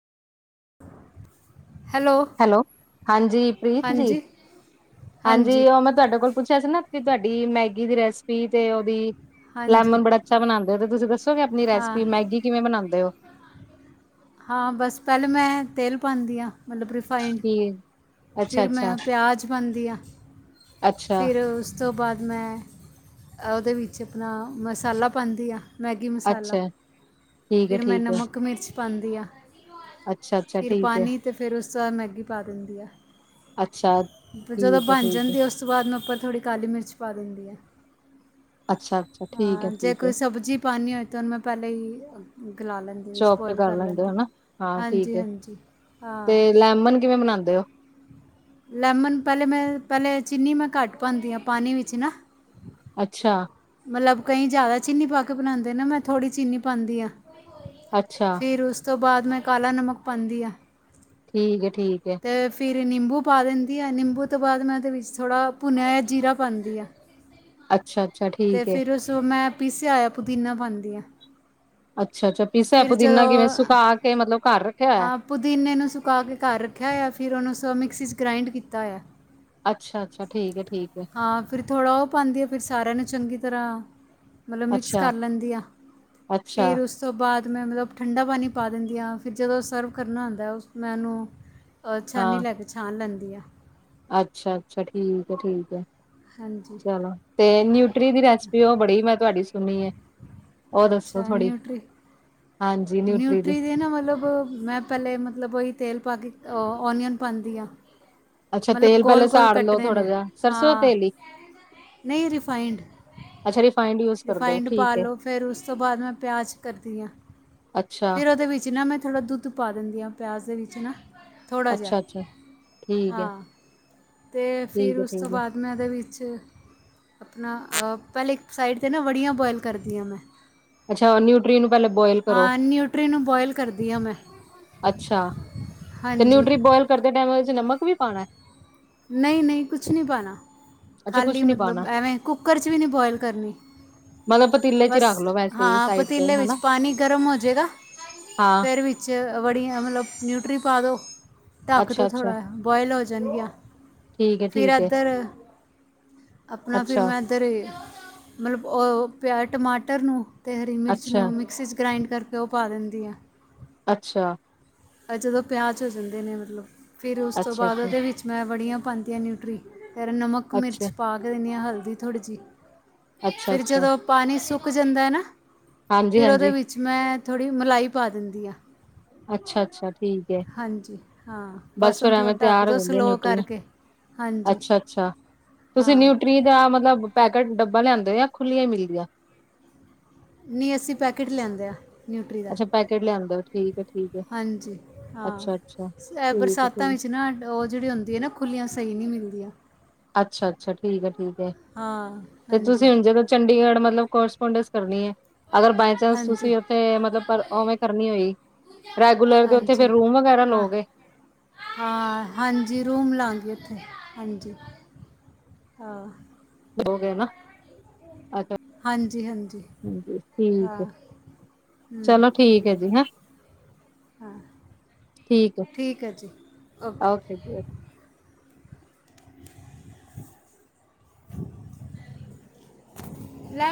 Hello. Hello ਹਾਂਜੀ, ਪ੍ਰੀਤ ਜੀ, ਹਾਂਜੀ ਹਾਂਜੀ ਓ ਮੈਂ ਤੁਆਡੇ ਕੋਲ ਪੁੱਛਿਆ ਸੀ ਨਾ ਕਿ ਤੁਆਡੀ ਮੈਗੀ ਦੀ ਰੈਸਿਪੀ ਤੇ ਓਦੀ ਹਾਂਜੀ ਲੈਮਨ ਬੜਾ ਅੱਛਾ ਬਨਾਦੇ ਓ ਤੇ ਤੁਸੀਂ ਦੱਸੋਗੇ ਆਪਨੀ ਹਾਂ ਰੈਸਿਪੀ ਮੈਗੀ ਕਿਵੇਂ ਬਨਾਦੇ ਓ? ਹਾਂ ਬਸ ਪੈਲੇ ਮੈਂ ਤੇਲ ਪਾਂਦੀ ਆ ਮਤਲਬ ਰਿਫਾਈ ਈਨ। ਫਿਰ ਮੈਂ ਪਿਆਜ਼ ਪਾਂਦੀ ਆ। ਅੱਛਾ ਫਿਰ ਉਸ ਤੋਂ ਬਾਅਦ ਮੈਂ ਉਹਦੇ ਵਿੱਚ ਆਪਣਾ ਮਸਾਲਾ ਪਾਂਦੀ ਆ। ਮੈਗੀ ਮਸਾਲਾ, ਅੱਛਾ ਠੀਕ ਹੈ ਫਿਰ ਮੈਂ ਠੀਕ ਹੈ ਨਮਕ, ਮਿਰਚ ਪਾਂਦੀ ਆ। ਅੱਛਾ ਅੱਛਾ ਫਿਰ ਠੀਕ ਹੈ ਪਾਣੀ ਤੇ ਫਿਰ ਉਸ ਤੋਂ ਬਾਅਦ ਮੈਗੀ ਪਾ ਦਿੰਦੀ ਆ। ਅੱਛਾ ਜਦੋਂ ਠੀਕ ਹੈ ਬਣ ਠੀਕ ਹੈ ਜਾਂਦੀ ਉਸ ਤੋਂ ਬਾਅਦ ਮੈ ਉੱਪਰ ਥੋੜੀ ਕਾਲੀ ਮਿਰਚ ਪਾ ਦਿੰਦੀ ਆ। ਅੱਛਾ-ਅੱਛਾ। ਹਾ ਜੇ ਕੋਈ ਸਬਜ਼ੀ ਪਉਣੀ ਹੋਏ ਤਾਂ ਉਹਨੂੰ ਮੈਂ ਪਹਿਲਾਂ ਗਲਾ ਲੈਂਦੀ ਹਾ। ਸ਼ੋਫਟ ਕਰ ਲੈਂਦੇ ਹੋ ਹਨਾ, ਹਾਂ ਠੀਕ ਹੈ ਹਾਂਜੀ ਹਾਂ ਤੇ ਲੈਮਨ ਕਿਵੇਂ ਬਣਾਦੇ ਓ? [inaudible] ਲੈਮਨ ਪਹਿਲੇ ਮੈਂ ਪਹਿਲੇ ਚੀਨੀ ਮੈਂ ਘੱਟ ਪਾਉਦੀ ਆ ਪਾਣੀ ਵਿੱਚ ਨਾ। ਅੱਛਾ। ਮਤਲਬ ਕਈ ਜ਼ਿਆਦਾ ਚੀਨੀ ਪਾ ਕੇ ਬਣਾਉਂਦੇ ਨਾ ਮੈਂ ਥੋੜੀ ਚੀਨੀ ਪਾਂਦੀ ਆ। ਅੱਛਾ। ਫਿਰ ਉਸ ਤੋਂ ਬਾਅਦ ਮੈਂ ਕਾਲਾ ਨਮਕ ਪਾਂਦੀ‌‌ ਆ। ਠੀਕ ਏ- ਠੀਕ ਏ। ਤੇ ਫਿਰ ਨਿੰਬੂ ਪਾ ਦਿੰਦੀ ਆ ਨਿੰਬੂ ਤੋਂ ਬਾਅਦ ਮੈਂ ਉਹਦੇ ਵਿੱਚ ਥੋੜਾ ਭੁੰਨਿਆ ਹੋਇਆ ਜੀਰਾ ਪਾਂਉਦੀ ਆ। ਅੱਛਾ-ਅੱਛਾ ਠੀਕ ਏ। ਫੇਰ ਮੈ ਪੀਸਿਆ ਹੋਇਆ ਪੁਦੀਨਾ ਪਾਂਦੀ ਆ। ਅੱਛਾ- ਅੱਛਾ ਪੀਸਾ ਹੋਇਆ ਪੁਦੀਨਾ ਕਿਵੇਂ ਸੁਕਾ ਕੇ ਮਤਲਬ ਘਰ ਰੱਖਿਆ ਹੋਇਆ। ਹਾਂ ਪੁਦੀਨੇ ਨੂੰ ਸੁਕਾ ਕੇ ਘਰ ਰੱਖਿਆ ਹੋਇਆ ਫਿਰ ਉਹਨੂੰ ਸ ਮਿਕਸੀ 'ਚ ਗ੍ਰਇੰਡ ਕੀਤਾ ਹੋਇਆ। ਅੱਛਾ-ਅੱਛਾ ਠੀਕ ਏ- ਠੀਕ ਏ। ਹਾਂ ਫਿਰ ਥੋੜਾ ਉਹ ਪਾਉਂਦੀ ਆ ਫਿਰ ਸਾਰਿਆਂ ਨੂੰ ਚੰਗੀ ਤਰਾਂ ਮਤਲਬ ਮਿਕਸ ਕਰ ਲੈਂਦੀ ਆ ਅੱਛਾ-ਅੱਛਾ ਫਿਰ ਉਸ ਉਸ ਤੋਂ ਬਾਅਦ ਮੈਂ ਮਤਲਬ ਠੰਡਾ ਪਾਣੀ ਪਾ ਦਿੰਦੀ ਆ ਫਿਰ ਜਦੋਂ ਸਰਵ ਕਰਨਾ ਹੁੰਦਾ ਉਸ ਮੈਂ ਉਹਨੂੰ ਤੇ ਛਾਨੀ ਹਾਂ, ਲੈ ਕੇ ਛਾਨ ਬਂੰਦੀ ਐ। ਅੱਛਾ-ਅੱਛਾ ਠੀਕ ਏ- ਠੀਕ ਏ ਹਾਂਜੀ ਚਲੋ। ਤੇ ਨਿਊਟਰੀ ਦੀ ਰੈਸਿਪੀ ਉਹ ਬੜੀ ਮੈਂ ਤੁਹਾਡੀ ਸੁਣੀ ਏ। ਅੱਛਾ ਨਿਊਟਰੀ ਹਾਂਜੀ ਦੀ ਨਿਊਟਰੀ ਦੇ ਨਾ ਮਤਲਬ ਮੈਂ ਪਹਿਲੇ ਮਤਲਬ ਉਹ ਤੇਲ ਪਾ ਕੇ ਓਨੀਅਨ ਪਾਉਂਦੀ ਆ। ਅੱਛਾ ਮਤਲਬ ਤੇਲ ਪਹਿਲੇ ਗੋਲ- ਗੋਲ ਸਾੜ ਲਓ ਕੱਟਣੇ ਥੋੜਾ ਨੇ, ਜਿਹਾ ਸਰਸੋਂ ਦਾ ਹਾਂ ਤੇਲ ਹੀ ਨਹੀਂ ਰਿਫਾਈੰਡ। ਅੱਛਾ ਰਿਫਾਇੰਡ ਯੂਜ ਕਰਦੇ ਹੋ ਰਿਫਾਈੰਡ ਪਾ ਠੀਕ ਹੈ, ਲਓ ਫੇਰ ਉਸ ਤੋਂ ਬਾਅਦ ਮੈਂ ਪਿਆਜ਼ ਕਰਦੀ ਆ। ਅੱਛਾ, ਫੇਰ ਉਹਦੇ ਵਿੱਚ ਨਾ ਮੈਂ ਥੋੜਾ ਦੁੱਧ ਪਾ ਦਿੰਦੀ ਹਾਂ ਪਿਆਜ਼ ਦੇ ਵਿੱਚ ਨਾ। ਥੋੜਾ ਜਿਹਾ, ਅੱਛਾ-ਅੱਛਾ ਠੀਕ ਹੈ, ਹਾਂ ਤੇ ਫੇਰ ਠੀਕ ਹੈ, ਉਸ ਤੋਂ ਠੀਕ ਹੈ, ਬਾਅਦ ਮੈਂ ਉਹਦੇ ਵਿੱਚ, ਆਪਣਾ ਅ ਪਹਿਲੇ ਇੱਕ ਸਾਈਡ 'ਤੇ ਨਾ ਵੜੀਆਂ ਬੁਆਇਲ ਕਰਦੀ ਆ ਮੈਂ। ਅੱਛਾ ਨਿਊਟਰੀ ਨੂੰ ਪਹਿਲੇ ਬੋਇਲ ਕਰੋ। ਹਾਂ ਨਿਊਟਰੀ ਨੂੰ ਬੁਆਇਲ ਕਰਦੀ ਆ ਮੈਂ। ਅੱਛਾ ਤੇ ਹਾਂਜੀ ਨਿਊਟਰੀ ਬੋਇਲ ਕਰਦੇ ਟਾਇਮ ਉਹਦੇ ਚ ਨਮਕ ਵੀ ਪਾਣਾ ਏ। ਨਹੀਂ- ਨਹੀਂ ਕੁਛ ਨਹੀਂ ਪਾਣਾ। ਅੱਛਾ ਖਾਲੀ ਕੁਛ ਨੀ ਮਤਲਬ ਪਾਣਾ ਐਵੇਂ ਕੁੱਕਰ 'ਚ ਵੀ ਨੀ ਬੁਆਇਲ ਕਰਨੀ ਮਤਲਬ ਪਤੀਲੇ ਚ ਹੀ ਬਸ ਰੱਖ ਲੋ ਵੈਸੇ ਹੀ ਹਾਂ ਸਾਈਡ ਤੇ ਪਤੀਲੇ ਵਿੱਚ ਹਨਾ ਪਾਣੀ ਗਰਮ ਹੋਜਏਗਾ ਹਾਂ, ਫੇਰ ਵਿ- 'ਚ ਬੜੀਆਂ ਮਤਲਬ ਨਿਊਟਰੀ ਪਾ ਦਿਉ ਢੱਕ ਦੋ ਅੱਛਾ-ਅੱਛਾ ਥੋੜਾ ਬੋਆਇਲ ਹੋ ਜਾਣਗੀਆਂ। ਠੀਕ ਹੈ, ਫੇਰ ਠੀਕ ਹੈ। ਇੱਧਰ, ਆਪਣਾ ਫੇਰ ਅੱਛਾ, ਮੈਂ- ਤਰੀ ਮਤਲਬ ਉਹ ਪਿਆਜ਼, ਟਮਾਟਰ ਨੂੰ, ਤੇ ਹਰੀ ਮਿਰਚ ਅੱਛਾ, ਨੂੰ ਮਿਕਸੀ 'ਚ ਗਰਾਇੰਡ ਕਰਕੇ ਉਹ ਪਾ ਦਿੰਦੀ ਆ। ਅੱਛਾ। ਓਰ ਜਦੋਂ ਪਿਆਜ ਹੋ ਜਾਂਦੇ ਨੇ ਮਤਲਬ ਫਿਰ ਉਸ ਤੋਂ ਅੱਛਾ, ਬਾਦ ਜੀ, ਓਦੇ ਵਿੱਚ ਮੈਂ ਵੜੀਆਂ ਪਾਂਦੀਆਂ ਨਿਊਟਰੀ ਫੇਰ ਨਮਕ, ਅੱਛਾ, ਮਿਰਚ ਪਾ ਕੇ ਦਿੰਦੀ ਆ ਹਲਦੀ ਥੋੜੀ ਜੀ। ਅੱਛਾ, ਫਿਰ ਅੱਛਾ ਜਦੋਂ ਪਾਣੀ ਸੁੱਕ ਜਾਂਦਾ ਐ ਨਾ ਫਿਰ ਓਦੇ ਹਾਂਜੀ-ਹਾਂਜੀ, ਵਿੱਚ ਵਿੱਚ ਮੈਂ ਥੋੜੀ ਮਲਾਈ ਪਾ ਦਿੰਦੀ ਆ। ਅੱਛਾ-ਅੱਛਾ ਠੀਕ। ਐ। ਹਾਂਜੀ, ਹਾਂ ਬਸ ਫੇਰ ਹੁਣ ਥੋੜਾ ਐਵੇਂ ਢੱਕ ਤਿਆਰ ਹੋ ਦੋ ਜਾਂਦੀ ਆ ਸਲੋ ਨਿਊਟਰੀ, ਕਰਕੇ। ਹਾਂਜੀ ਅੱਛਾ-ਅੱਛਾ ਤੁਸੀਂ ਹਾਂ ਨਿਊਟ ਰੀ ਦਾ ਮਤਲਬ ਪੈਕੇਟ ਡੱਬਾ ਲਿਆਂਦੇ ਓ ਯਾ ਖੁੱਲੀਆਂ ਈ ਮਿਲਦੀਆਂ। ਨੀ ਅੱਸੀਂ ਪੈਕੇਟ ਲਿਆਂਦੇ ਆ। ਨਿਊਟਰੀ ਦਾ ਅੱਛਾ ਪੈਕੇਟ ਲਿਆਂਦੇ ਓ ਠੀਕ ਐ ਠੀਕ ਐ। ਹਾਂਜੀ ਹਾਂ, ਅੱਛਾ-ਅੱਛਾ, ਐ ਠੀਕ ਬਰਸਾ ਤਾਂ ਠੀਕ, ਵਿੱਚ ਨਾ ਓ ਜੇੜੀ ਹੁੰਦੀ ਐ ਨਾ ਖੁੱਲੀਆਂ ਸਈ ਨਈ ਮਿਲਦੀਆਂ। ਅੱਛਾ-ਅੱਛਾ, ਠੀਕ ਐ-ਠੀਕ ਐ ਹਾਂ ਤੇ ਹਾਂਜੀ ਤੁਸੀਂ ਹੁਣ ਜਦੋਂ ਚੰਡੀਗੜ੍ਹ ਮਤਲਬ ਕੋਰਸਪੋਂਡਸ ਕਰਨੀ ਏ। ਅਗਰ ਬਾਏ ਚਾਂਸ ਹਾਂਜੀ ਤੁਸੀਂ ਓੱਥੇ ਮਤਲਬ ਪਰ ਓਵੇਂ ਕਰਨੀ ਓਈ ਰੈਗੂਲਰ ਦੇ ਓੱਥੇ ਫੇਰ ਹਾਂਜੀ ਰੂਮ ਵਗੈਰਾ ਹਾਂ ਲਓ ਗੇ। ਹਾਂ, ਹਾਂਜੀ ਰੂਮ ਲਾਂਗੇ ਉੱਥੇ ਹਾਂਜੀ ਆਂ। ਲਓ ਗੇ ਨਾ ਅੱਛਾ। ਹਾਂਜੀ ਹਾਂਜੀ ਹਾਂਜੀ ਠੀਕ ਹਾਂ ਐ ਹੂੰ ਚਲੋ ਠੀਕ ਏ ਜੀ ਹੈਂ। ਹਾਂ ਠੀਕ ਐ, ਹੈ ਜੀ ਓਕੇ ਜੀ ਓਕੇ। ਲੈ